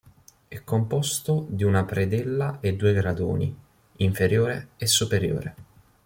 È composto di una predella e due gradoni, inferiore e superiore.